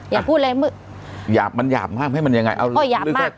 อย่าพูดเลยหยาบมันหยาบมากให้มันยังไงเอาเลย